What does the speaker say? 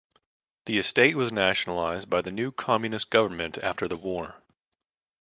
The estate was nationalized by the new communist government after the war.